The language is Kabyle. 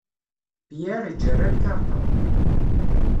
Pierre ijerra lkarṭa.